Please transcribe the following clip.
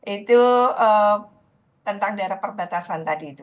itu tentang daerah perbatasan tadi itu